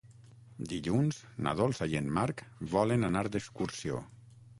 Dilluns na Dolça i en Marc volen anar d'excursió.